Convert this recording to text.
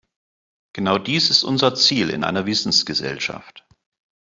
Genau dies ist unser Ziel in einer Wissensgesellschaft.